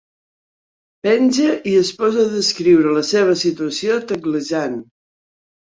Penja i es posa a descriure la seva situació teclejant.